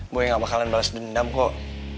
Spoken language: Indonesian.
gue gak bakalan balas dendam kok